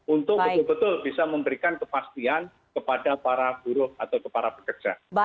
untuk betul betul bisa memberikan kepastian kepada para buruh atau para pekerja